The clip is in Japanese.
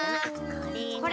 これ。